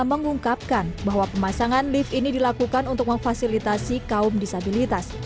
mengungkapkan bahwa pemasangan lift ini dilakukan untuk memfasilitasi kaum disabilitas